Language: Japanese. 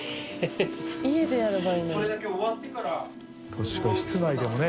確かに室内でもね